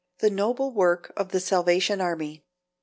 "The Noble Work of the Salvation Army."